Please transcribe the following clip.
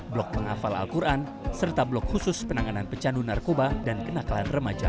blok penghafal al quran serta blok khusus penanganan pecandu narkoba dan kenakalan remaja